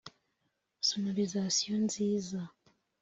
Sonolisation nziza